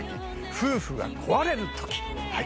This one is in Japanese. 『夫婦が壊れるとき』。